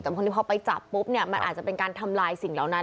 แต่พอดีพอไปจับปุ๊บเนี่ยมันอาจจะเป็นการทำลายสิ่งเหล่านั้น